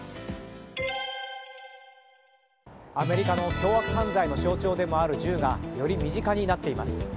アメリカの凶悪犯罪の象徴でもある銃がより身近になっています。